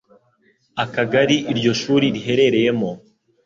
akagari iryo shuri riherereyemo,